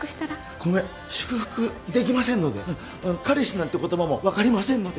ごめん祝福できませんので彼氏なんて言葉も分かりませんので